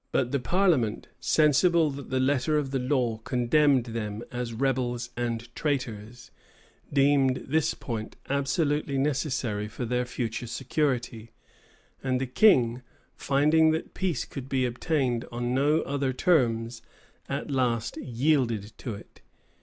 But the parliament, sensible that the letter of the law condemned them as rebels and traitors, deemed this point absolutely necessary for their future security; and the king, finding that peace could be obtained on no other terms, at last yielded to it.